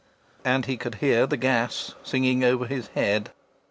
And he could hear the gas singing over his head